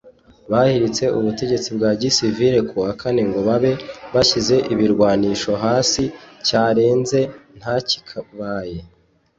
bahiritse ubutegetsi bwa gisivile kuwa kane ngo babe bashyize ibirwanisho hasi cyarenze ntakibaye